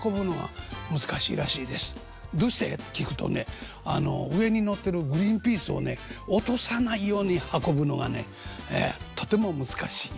「どうして？」って聞くとねあの上に載ってるグリーンピースをね落とさないように運ぶのがねとても難しいいうて言うてましたですよ。